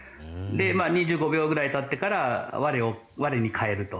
２５秒ぐらいたってから我に返ると。